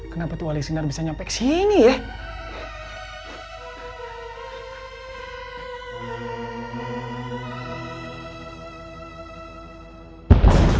kenapa tuan alisinar bisa nyampe kesini ya